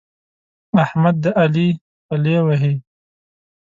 احمد د علي پلې وهي.